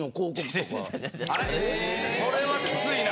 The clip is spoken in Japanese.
それはきついな。